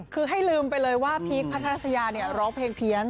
คือให้ลืมไปเลยว่าพีคพัทรสยาเนี่ยร้องเพลงเพี้ยน